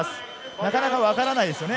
なかなかわからないですね。